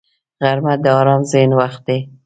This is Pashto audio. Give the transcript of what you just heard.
غرمه د آرام ذهن وخت دی